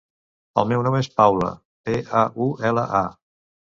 El meu nom és Paula: pe, a, u, ela, a.